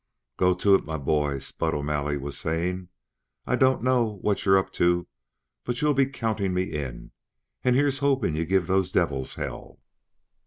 "Go to it, my bhoy!" Spud O'Malley was saying. "I don't know what you're up to, but you'll be countin' me in and here's hopin' you give those devils hell!"